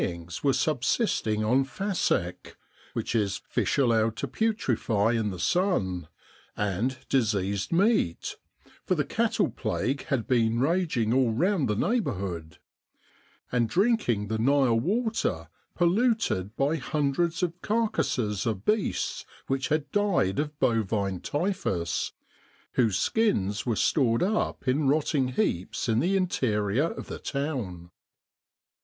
M.C. in Egypt were subsisting on ' fasek ' (fish allowed to putrefy in the sun) and diseased meat (for the cattle plague had been raging all round the neighbourhood), and drinking the Nile water polluted by hundreds of carcases of beasts which had died of bovine typhus, whose skins were stored up in rotting heaps in the interior of the town."